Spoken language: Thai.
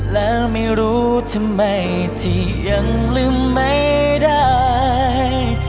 แล้วไม่รู้ทำไมที่ยังลืมไม่ได้